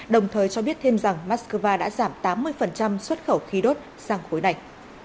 đồng thời cho biết thêm rằng moscow đã giảm tám mươi xuất khẩu khí đốt sang khối này